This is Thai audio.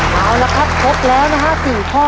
เอาละครับพบแล้ว๔ข้อ